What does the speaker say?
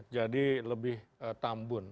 jadi lebih tambun